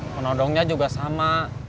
penodongnya juga sama